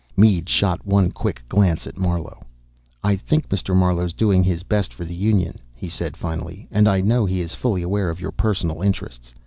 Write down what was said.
Mead shot one quick glance at Marlowe. "I think Mr. Marlowe's doing his best for the Union," he said finally, "and I know he is fully aware of your personal interests.